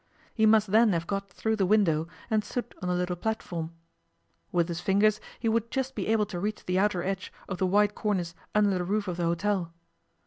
He must then have got through the window, and stood on the little platform. With his fingers he would just be able to reach the outer edge of the wide cornice under the roof of the hotel.